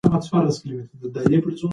هغه وویل چې دی به ډېر ژر راسي.